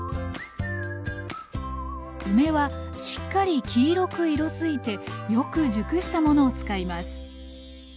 梅はしっかり黄色く色づいてよく熟したものを使います